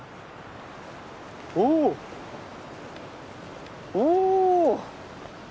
おおっお！